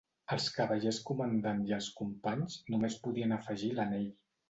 Els Cavallers Comandant i els Companys només podien afegir l'anell.